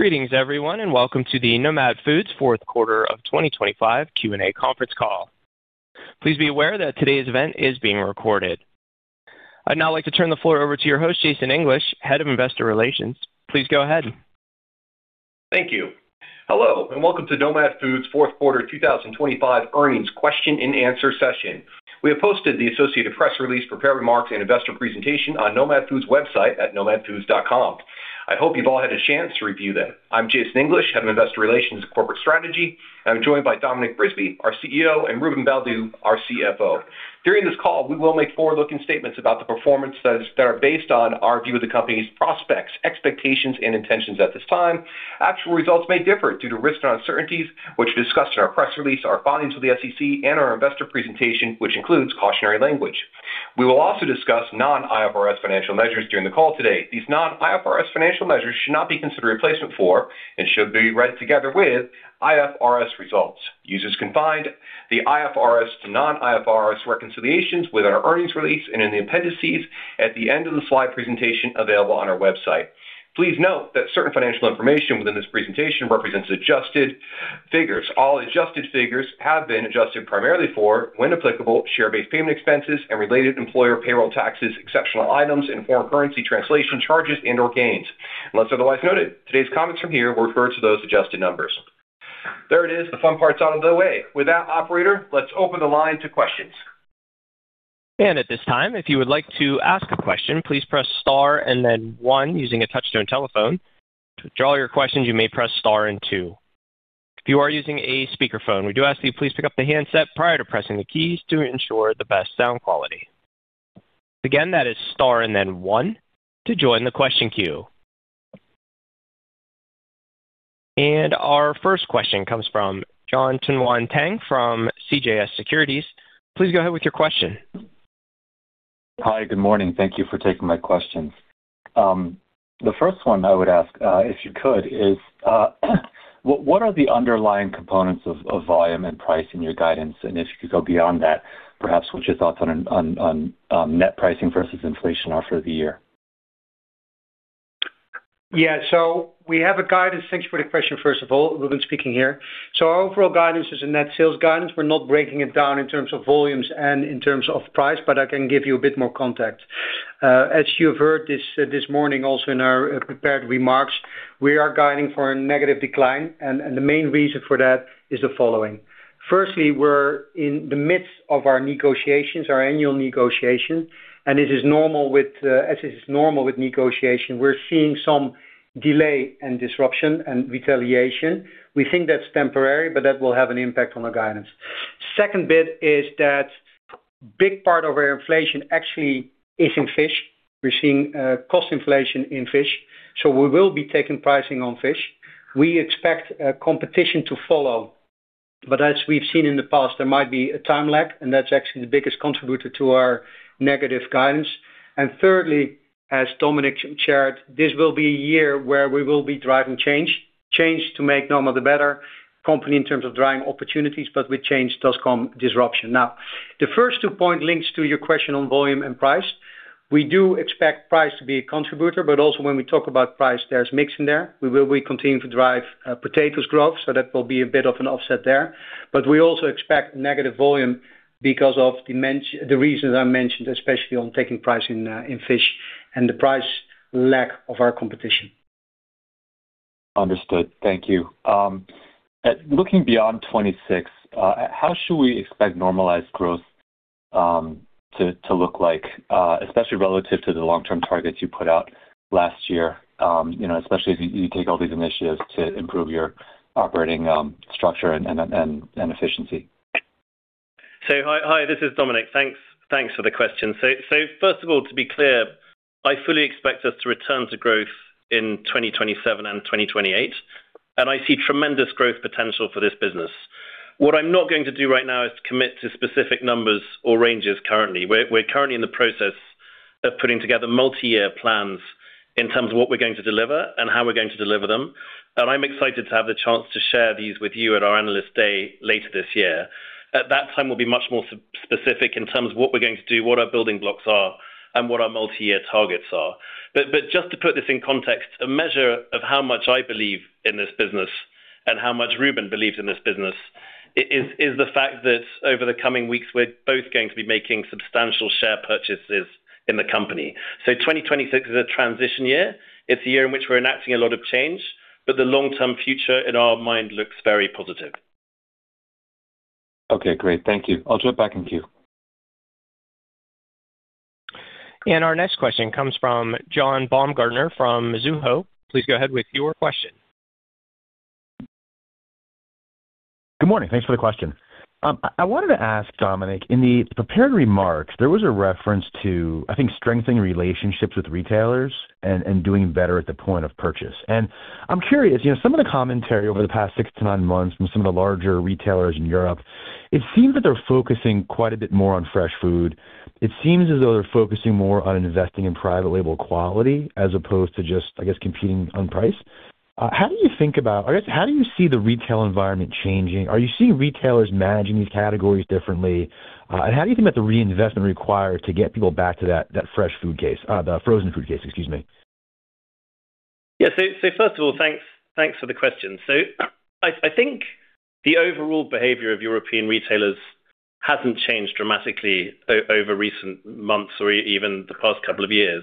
Greetings, everyone, welcome to the Nomad Foods fourth quarter of 2025 Q&A conference call. Please be aware that today's event is being recorded. I'd now like to turn the floor over to your host, Jason English, Head of Investor Relations. Please go ahead. Thank you. Hello, and welcome to Nomad Foods fourth quarter 2025 earnings question and answer session. We have posted the associated press release, prepared remarks, and investor presentation on Nomad Foods' website at nomadfoods.com. I hope you've all had a chance to review them. I'm Jason English, Head of Investor Relations and Corporate Strategy, and I'm joined by Dominic Brisby, our CEO, and Ruben Baldew, our CFO. During this call, we will make forward-looking statements about the performance that are based on our view of the company's prospects, expectations, and intentions at this time. Actual results may differ due to risks and uncertainties, which we discussed in our press release, our filings with the SEC, and our investor presentation, which includes cautionary language. We will also discuss non-IFRS financial measures during the call today. These non-IFRS financial measures should not be considered a replacement for and should be read together with IFRS results. Users can find the IFRS to non-IFRS reconciliations with our earnings release and in the appendices at the end of the slide presentation available on our website. Please note that certain financial information within this presentation represents adjusted figures. All adjusted figures have been adjusted primarily for, when applicable, share-based payment expenses and related employer payroll taxes, exceptional items, and foreign currency translation charges and/or gains. Unless otherwise noted, today's comments from here will refer to those adjusted numbers. There it is, the fun part's out of the way. With that, operator, let's open the line to questions. At this time, if you would like to ask a question, please press Star and then one using a touch-tone telephone. To withdraw your questions, you may press Star and 2. If you are using a speakerphone, we do ask that you please pick up the handset prior to pressing the keys to ensure the best sound quality. Again, that is Star and then 1 to join the question queue. Our first question comes from Jon Tanwanteng from CJS Securities. Please go ahead with your question. Hi, good morning. Thank you for taking my questions. The first one I would ask, if you could, is, what are the underlying components of volume and price in your guidance? If you could go beyond that, perhaps what's your thoughts on net pricing versus inflation are for the year? Yeah, we have a guidance. Thanks for the question, first of all. Ruben speaking here. Our overall guidance is a net sales guidance. We're not breaking it down in terms of volumes and in terms of price, but I can give you a bit more context. As you have heard this morning also in our prepared remarks, we are guiding for a negative decline, and the main reason for that is the following: firstly, we're in the midst of our negotiations, our annual negotiations, and it is normal with, as is normal with negotiation, we're seeing some delay and disruption and retaliation. We think that's temporary, but that will have an impact on our guidance. Second bit is that big part of our inflation actually is in fish. We're seeing cost inflation in fish, so we will be taking pricing on fish. We expect competition to follow, but as we've seen in the past, there might be a time lag, and that's actually the biggest contributor to our negative guidance. Thirdly, as Dominic shared, this will be a year where we will be driving change to make Nomad a better company in terms of driving opportunities, but with change does come disruption. The first two point links to your question on volume and price. We do expect price to be a contributor, but also when we talk about price, there's mix in there. We will be continuing to drive potatoes growth, so that will be a bit of an offset there. We also expect negative volume because of the reasons I mentioned, especially on taking price in fish and the price lag of our competition. Understood. Thank you. looking beyond 2026, how should we expect normalized growth to look like, especially relative to the long-term targets you put out last year? you know, especially if you take all these initiatives to improve your operating structure and efficiency? Hi, this is Dominic. Thanks for the question. First of all, to be clear, I fully expect us to return to growth in 2027 and 2028, and I see tremendous growth potential for this business. What I'm not going to do right now is to commit to specific numbers or ranges currently. We're currently in the process of putting together multi-year plans in terms of what we're going to deliver and how we're going to deliver them, and I'm excited to have the chance to share these with you at our Analyst Day later this year. At that time, we'll be much more specific in terms of what we're going to do, what our building blocks are, and what our multi-year targets are. Just to put this in context, a measure of how much I believe in this business and how much Ruben believes in this business is the fact that over the coming weeks, we're both going to be making substantial share purchases in the company. 2026 is a transition year. It's a year in which we're enacting a lot of change, but the long-term future in our mind looks very positive. Okay, great. Thank I'll drop back in queue. Our next question comes from John Baumgartner from Mizuho. Please go ahead with your question. Good morning. Thanks for the question. I wanted to ask Dominic, in the prepared remarks, there was a reference to, I think, strengthening relationships with retailers and doing better at the point of purchase. I'm curious, you know, some of the commentary over the past six to nine months from some of the larger retailers in Europe, it seems that they're focusing quite a bit more on fresh food. It seems as though they're focusing more on investing in private label quality as opposed to just, I guess, competing on price. How do you see the retail environment changing? Are you seeing retailers managing these categories differently? How do you think about the reinvestment required to get people back to that fresh food case, the frozen food case, excuse me? Yeah. First of all, thanks for the question. I think the overall behavior of European retailers hasn't changed dramatically over recent months or even the past couple of years.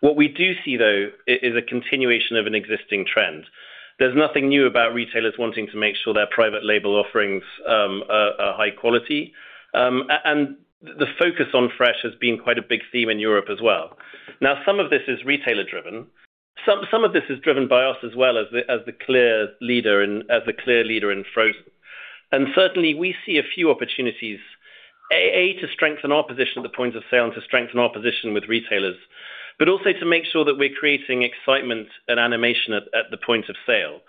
What we do see, though, is a continuation of an existing trend. There's nothing new about retailers wanting to make sure their private label offerings are high quality. And the focus on fresh has been quite a big theme in Europe as well. Some of this is retailer driven. Some of this is driven by us as well as the clear leader in frozen. Certainly, we see a few opportunities to strengthen our position at the point of sale and to strengthen our position with retailers, but also to make sure that we're creating excitement and animation at the point of sale.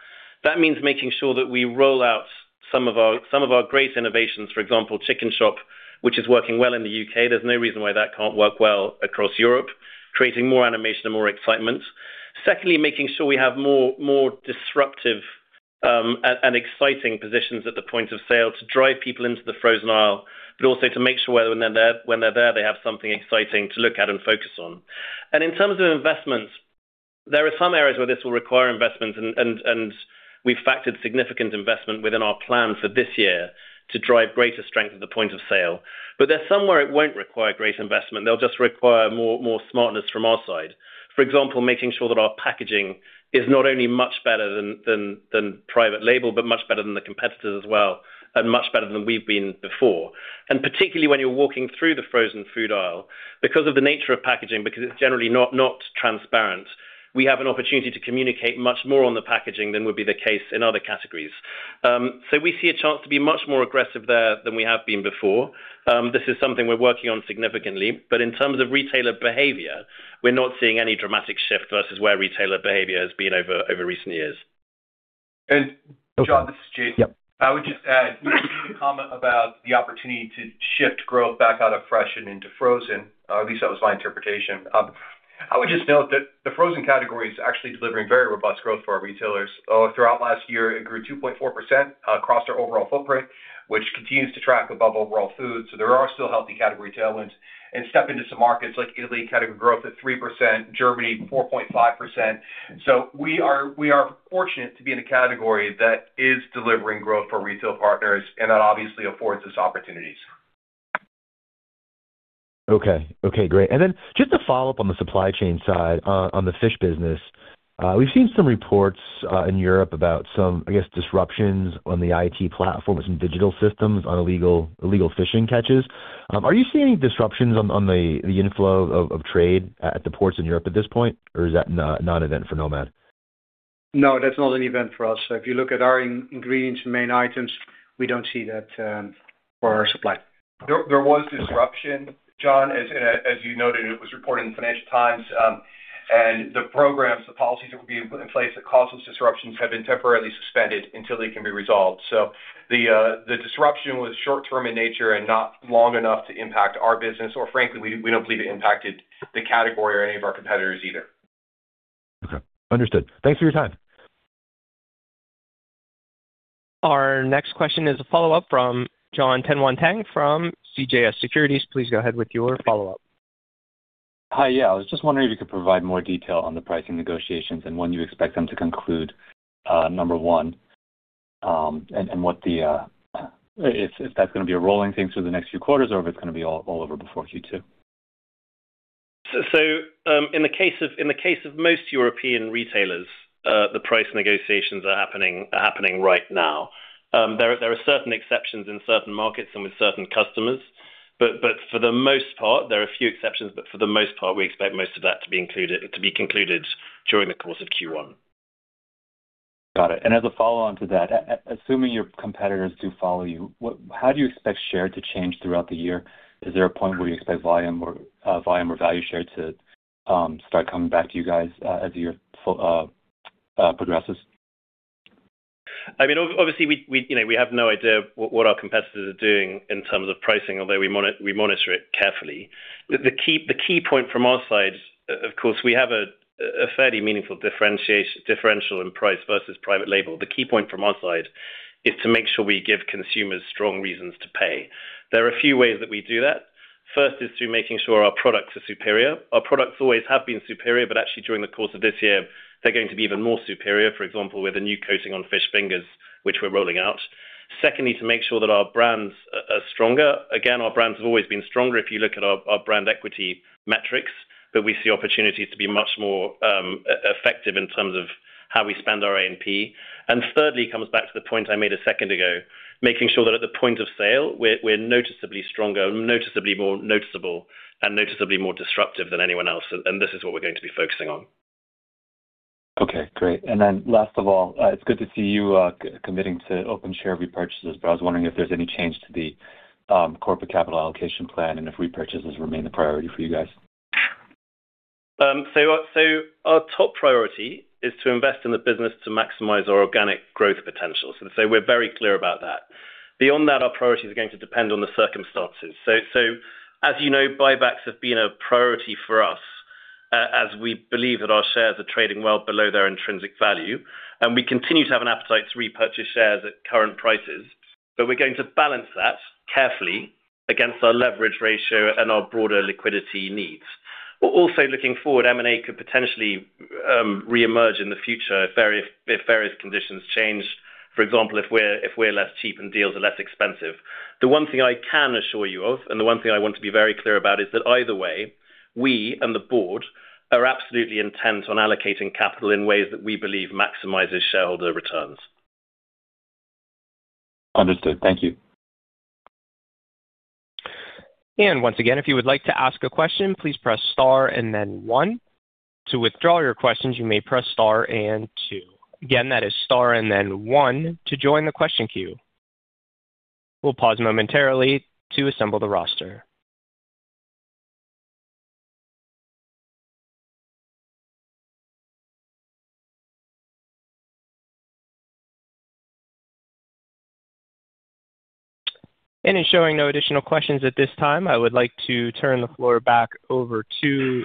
That means making sure that we roll out some of our great innovations, for example, Chicken Shop, which is working well in the U.K. There's no reason why that can't work well across Europe, creating more animation and more excitement. Secondly, making sure we have more disruptive and exciting positions at the point of sale to drive people into the frozen aisle, but also to make sure when they're there, they have something exciting to look at and focus on. In terms of investments, there are some areas where this will require investment, and we've factored significant investment within our plan for this year to drive greater strength at the point of sale. There are some where it won't require great investment. They'll just require more smartness from our side. For example, making sure that our packaging is not only much better than private label, but much better than the competitors as well, and much better than we've been before. And particularly when you're walking through the frozen food aisle, because of the nature of packaging, because it's generally not transparent, we have an opportunity to communicate much more on the packaging than would be the case in other categories. We see a chance to be much more aggressive there than we have been before. this is something we're working on significantly, but in terms of retailer behavior, we're not seeing any dramatic shift versus where retailer behavior has been over recent years. John, this is Jason. Yep. I would just add a comment about the opportunity to shift growth back out of fresh and into frozen, or at least that was my interpretation. I would just note that the frozen category is actually delivering very robust growth for our retailers. Throughout last year, it grew 2.4% across our overall footprint, which continues to track above overall food. There are still healthy category tailwinds and step into some markets like Italy, category growth at 3%, Germany, 4.5%. We are fortunate to be in a category that is delivering growth for retail partners, and that obviously affords us opportunities. Okay, great. Just to follow up on the supply chain side, on the fish business. We've seen some reports in Europe about some, I guess, disruptions on the IT platform and some digital systems on illegal fishing catches. Are you seeing any disruptions on the inflow of trade at the ports in Europe at this point? Is that not an event for Nomad? No, that's not an event for us. If you look at our ingredients and main items, we don't see that for our supply. There was disruption, John, as you noted, it was reported in the Financial Times. The programs, the policies that would be in place that caused those disruptions have been temporarily suspended until they can be resolved. The disruption was short term in nature and not long enough to impact our business or frankly, we don't believe it impacted the category or any of our competitors either. Okay, understood. Thanks for your time. Our next question is a follow-up from Jon Tanwanteng from CJS Securities. Please go ahead with your follow-up. Hi. Yeah, I was just wondering if you could provide more detail on the pricing negotiations and when you expect them to conclude, number one, and what the if that's gonna be a rolling thing through the next few quarters or if it's gonna be all over before Q2? In the case of most European retailers, the price negotiations are happening right now. There are certain exceptions in certain markets and with certain customers, but for the most part, there are a few exceptions, but for the most part, we expect most of that to be concluded during the course of Q1. Got it. As a follow-on to that, assuming your competitors do follow you, what, how do you expect share to change throughout the year? Is there a point where you expect volume or value share to start coming back to you guys as the year progresses? I mean, obviously, we, you know, we have no idea what our competitors are doing in terms of pricing, although we monitor it carefully. The key point from our side, of course, we have a fairly meaningful differential in price versus private label. The key point from our side is to make sure we give consumers strong reasons to pay. There are a few ways that we do that. First is through making sure our products are superior. Our products always have been superior, actually during the course of this year, they're going to be even more superior. For example, with a new coating on fish fingers, which we're rolling out. Secondly, to make sure that our brands are stronger. Again, our brands have always been stronger if you look at our brand equity metrics, but we see opportunities to be much more effective in terms of how we spend our A&P. Thirdly, comes back to the point I made a second ago, making sure that at the point of sale, we're noticeably stronger, noticeably more noticeable, and noticeably more disruptive than anyone else. This is what we're going to be focusing on. Okay, great. Last of all, it's good to see you committing to open share repurchases, but I was wondering if there's any change to the corporate capital allocation plan and if repurchases remain the priority for you guys? Our top priority is to invest in the business to maximize our organic growth potential. We're very clear about that. Beyond that, our priority is going to depend on the circumstances. As you know, buybacks have been a priority for us, as we believe that our shares are trading well below their intrinsic value, and we continue to have an appetite to repurchase shares at current prices. We're going to balance that carefully against our leverage ratio and our broader liquidity needs. We're also looking forward, M&A could potentially reemerge in the future if various conditions change. For example, if we're less cheap and deals are less expensive. The one thing I can assure you of, and the one thing I want to be very clear about, is that either way, we and the board are absolutely intent on allocating capital in ways that we believe maximizes shareholder returns. Understood. Thank you. Once again, if you would like to ask a question, please press star and then one. To withdraw your questions, you may press star and two. Again, that is star and then one to join the question queue. We'll pause momentarily to assemble the roster. It's showing no additional questions at this time, I would like to turn the floor back over to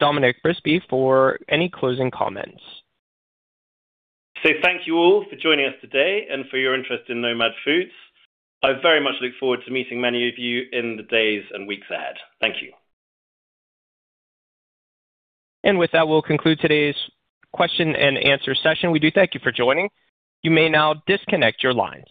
Dominic Brisby for any closing comments. Thank you all for joining us today and for your interest in Nomad Foods. I very much look forward to meeting many of you in the days and weeks ahead. Thank you. With that, we'll conclude today's question and answer session. We do thank you for joining. You may now disconnect your lines.